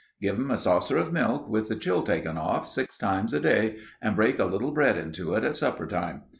"Give 'em a saucer of milk with the chill taken off, six times a day, and break a little bread into it at supper time.